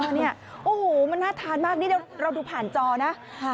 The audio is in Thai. โอ้โหมันน่าทานมากนี่เราดูผ่านจอนะ